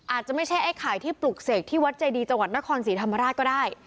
อาจจะไม่ใช่ไอ้ไข่ที่ปลุกเสกที่วัดเจดีจังหวัดนครศรีธรรมราชก็ได้